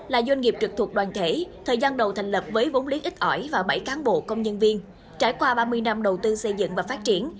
là doanh nghiệp trực thuộc đoàn thể thời gian đầu thành lập với vốn lý ít ỏi và bảy cán bộ công nhân viên trải qua ba mươi năm đầu tư xây dựng và phát triển